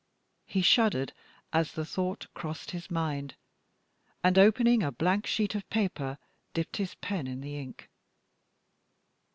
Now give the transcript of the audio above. He shuddered as the thought crossed his mind, and opening a blank sheet of paper, dipped his pen in the ink.